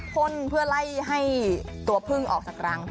คนเผื่อไรให้ตัวผึ้งออกจากราง